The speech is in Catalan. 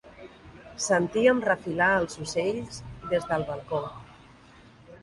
Sentíem refilar els ocells des del balcó.